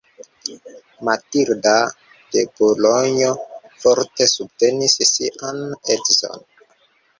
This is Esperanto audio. Matilda de Bulonjo forte subtenis sian edzon.